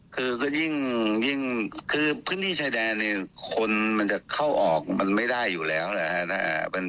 คือก็ยิ่งคือพื้นที่ชายแดนเนี่ยคนมันจะเข้าออกมันไม่ได้อยู่แล้วนะครับ